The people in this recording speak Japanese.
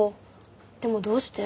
でもどうして？